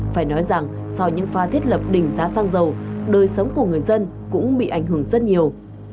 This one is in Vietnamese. phải nói rằng sau những pha thiết lập đỉnh giá xăng dầu đời sống của người dân cũng bị ảnh hưởng rất nhiều